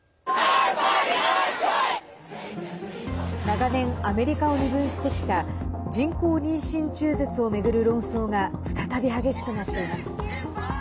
長年、アメリカを二分してきた人工妊娠中絶を巡る論争が再び激しくなっています。